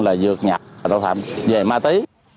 là dược nhập đồ thẩm về ma tí